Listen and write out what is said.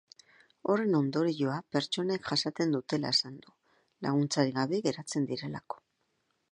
Horren ondorioa pertsonek jasaten dutela esan du, laguntzarik gabe geratzen direlako.